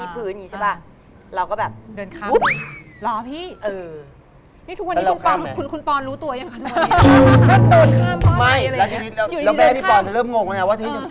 คุณว่าหายอายีมากเลยค่ะ